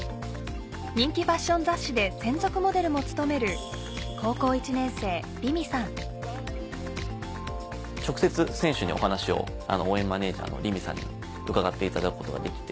人気ファッション雑誌で専属モデルも務める直接選手にお話を応援マネージャーの凛美さんに伺っていただくことができて。